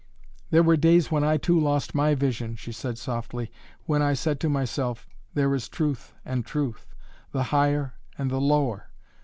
"There were days when I, too, lost my vision," she said softly, "when I said to myself: there is truth and truth the higher and the lower.